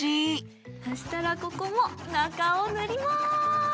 そしたらここもなかをぬります！